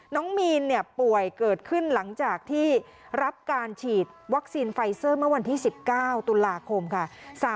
น้องมีนป่วยเกิดขึ้นหลังจากที่รับการฉีดวัคซีนไฟเซอร์เมื่อวันที่๑๙ตุลาคมค่ะ